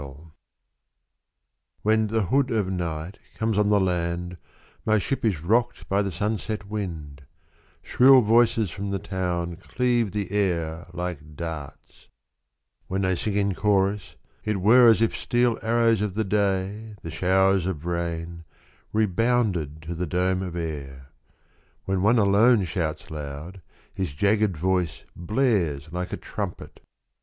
TI7HEN the hood of night comes on the land My ship is rocked by the sunset wind — Shrill voices from the town Cleave the air like darts ; When they sing in chorus It were as if steel arrows of the day, The showers of rain, rebounded to the dome of air. When one alone shouts loud, his jagged voice Blares like a trumpet.